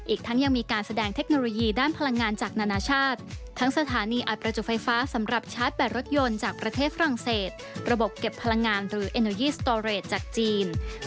อีกทั้งยังมีการแสดงเทคโนโลยี